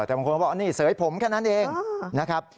แต่บางคนก็บอกนี่เสยผมแค่นั้นเองนะครับ